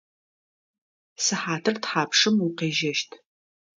Сыхьатыр тхьапшым укъежьэщт?